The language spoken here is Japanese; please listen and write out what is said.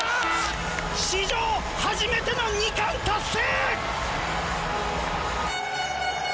史上初めての２冠達成！